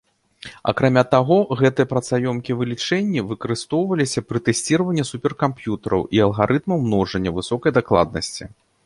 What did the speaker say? Акрамя таго, гэтыя працаёмкія вылічэнні выкарыстоўваліся пры тэсціраванні суперкамп'ютараў і алгарытмаў множання высокай дакладнасці.